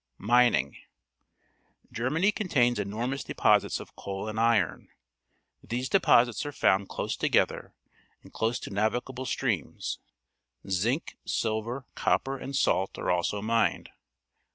Mining. — Germany contains enormous de posits of coal and iron. These deposits are found close together and close to navigable streams. Zinc, silver, copper^ and salt are also mined.